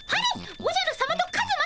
おじゃるさまとカズマさま